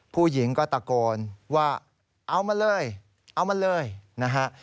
ผู้หญิงก็ตะโกนว่าเอามันเลยเอามันเลยนะฮะ